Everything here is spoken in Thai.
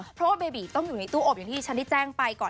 เพราะว่าเบบีต้องอยู่ในตู้อบอย่างที่ฉันได้แจ้งไปก่อน